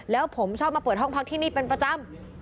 แล้วผมชอบมาเปิดห้องพักที่นี่เป็นประจำ